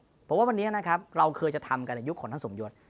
เพราะว่าวันนี้นะครับเราเคยจะทำกันในยุคของท่านสมยศ